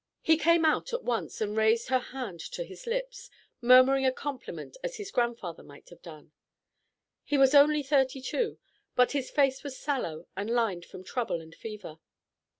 He came out at once and raised her hand to his lips, murmuring a compliment as his grandfather might have done. He was only thirty two, but his face was sallow and lined from trouble and fever.